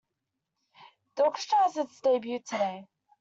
The orchestra has its debut today.